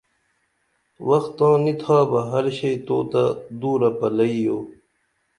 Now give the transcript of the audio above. وخ تاں نی تھا بہ ہر شئی تو تہ دُرہ پلئی یو